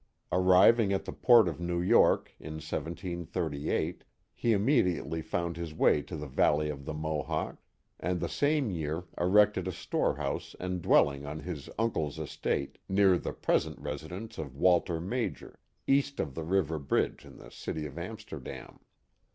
Arriving at the port of New York, in 1738, he immediately found his way to the valley of the Mo hawk, and the same year erected a storehouse and dwelling on his uncle's estate, near the present residence of Walter Major, east of the river bridge in the city of Amsterdam.